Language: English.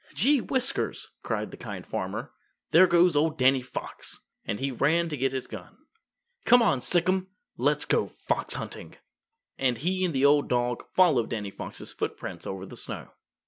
"Gee whiskers!" cried the Kind Farmer, "there goes old Danny Fox," and he ran to get his gun. "Come on, Sic'em! Let's go fox hunting!" And he and the old dog followed Danny Fox's footprints over the snow.